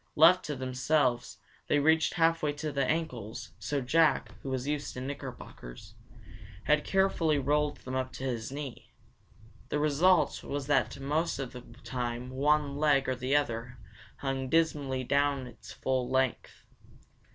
Left to themselves, they reached half way to his ankles, so Jack, who was used to knickerbockers, had carefully rolled them to his knee. The result was that most of the time one leg or the other hung dismally down its full length.